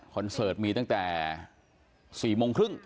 เสิร์ตมีตั้งแต่๔โมงครึ่ง